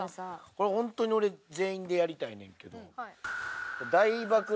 これ本当に俺全員でやりたいねんけど。